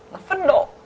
nó phân độ